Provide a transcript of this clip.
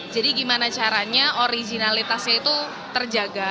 jadi gimana caranya originalitasnya itu terjaga